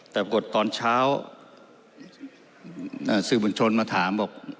แต่ปรากฏตอนเช้าสื่อบนชนมาถามบอก